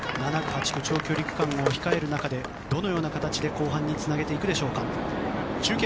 ７区、８区の長距離区間を控える中でどのような形で後半につなげていくでしょうか。